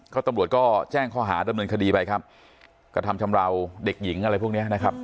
ก็ตำรวจก็แจ้งข้อหาดำเนินคดีไปครับกระทำชำราวเด็กหญิงอะไรพวกเนี้ยนะครับ